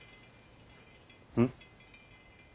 うん？